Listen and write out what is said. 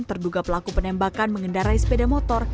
terduga pelaku penembakan mengendarai sepeda motor